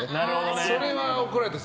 それは怒られます。